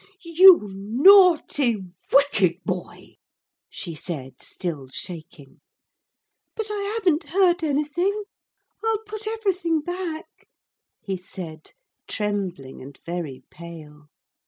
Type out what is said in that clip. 'You naughty, wicked boy!' she said, still shaking. 'But I haven't hurt anything I'll put everything back,' he said, trembling and very pale.